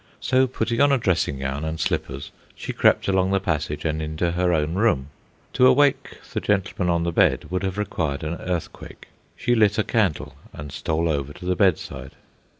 So, putting on a dressing gown and slippers, she crept along the passage and into her own room. To awake the gentleman on the bed would have required an earthquake. She lit a candle and stole over to the bedside.